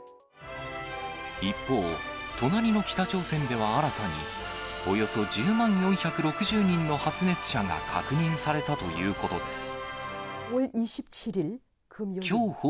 一方、隣の北朝鮮では新たに、およそ１０万４６０人の発熱者が確認されたということです。